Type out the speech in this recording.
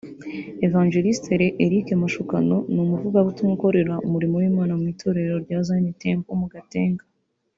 Ev Eric Mashukano ni umuvugabutumwa ukorera umurimo w’Imana mu itorero rya Zion Temple mu Gatenga